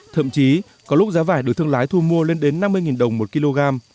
thậm chí có lúc giá vải được thương lái thu mua lên đến năm mươi đồng một kg